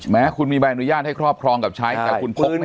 แม้คุณมีใบอนุญาตให้ครอบครองกับใช้แต่คุณพกไม่